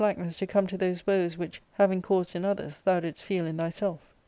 the slackness to come to those woes which, having caused in others, thou didst feel in thyself.